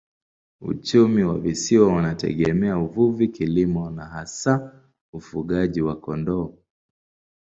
Uchumi wa visiwa unategemea uvuvi, kilimo na hasa ufugaji wa kondoo.